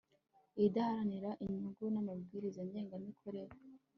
idaharanira inyungu n amabwiriza ngengamikorere